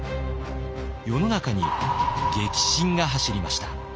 世の中に激震が走りました。